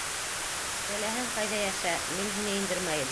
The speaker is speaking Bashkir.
Теләһәң ҡайҙа йәшә, мин һине индермәйем.